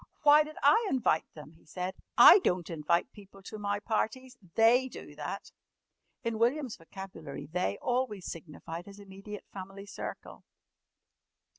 "Why did I invite them?" he said. "I don't invite people to my parties. They do that." In William's vocabulary "they" always signified his immediate family circle.